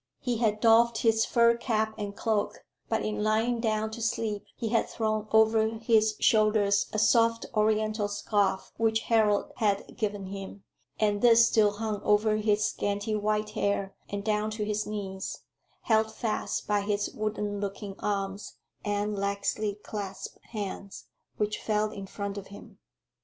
He had doffed his fur cap and cloak, but in lying down to sleep he had thrown over his shoulders a soft Oriental scarf which Harold had given him, and this still hung over his scanty white hair and down to his knees, held fast by his wooden looking arms and laxly clasped hands, which fell in front of him.